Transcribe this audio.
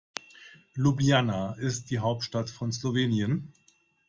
Ljubljana ist die Hauptstadt von Slowenien.